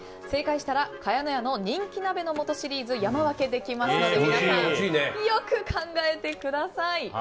正解したら茅乃舎の鍋の素シリーズを山分けできますので皆さん、よく考えてください。